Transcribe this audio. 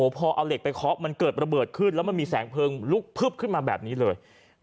พอเอาเหล็กไปเคาะมันเกิดระเบิดขึ้นแล้วมันมีแสงเพลิงลุกพึบขึ้นมาแบบนี้เลย